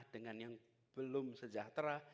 dengan yang belum sejahtera